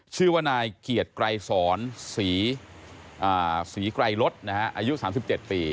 ชื่อว่านายเกียรติไกรสอนศรีไกรลดอายุ๓๗ปี